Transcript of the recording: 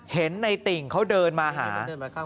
เห็นในติ่งเขาเดินมาหา